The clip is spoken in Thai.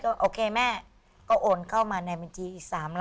โอเคแม่ก็โอนเข้ามาในบัญชีอีก๓ล้าน